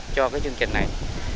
cho chương trình này